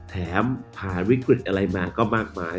แถมผ่านวิกฤตอะไรมาก็มากมาย